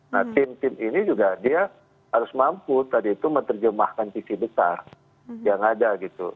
nah tim tim ini juga dia harus mampu tadi itu menerjemahkan sisi besar yang ada gitu